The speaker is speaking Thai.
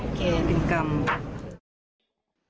โอเคเป็นกรรม